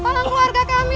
tolong keluarga kami